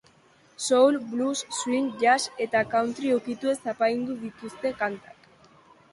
Soul, blues, swing, jazz eta country ukituez apaindu dituzte kantak.